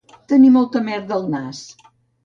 Tenir molta merda al nas